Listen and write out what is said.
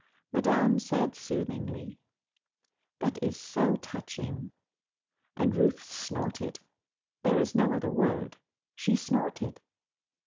Madame said soothingly, "That is so touching!" And Ruth snorted. There is no other word. She snorted.